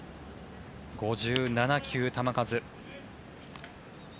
５７球、球数。